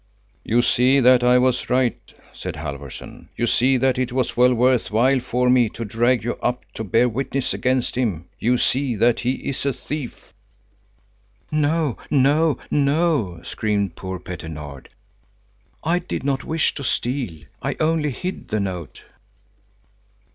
"You see that I was right," said Halfvorson. "You see that it was well worth while for me to drag you up to bear witness against him! You see that he is a thief!" "No, no, no," screamed poor Petter Nord. "I did not wish to steal. I only hid the note."